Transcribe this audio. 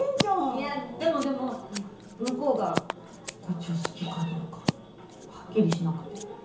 いやでもでも向こうがこっちを好きかどうかははっきりしなくて。